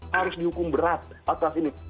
harus dihukum berat atas ini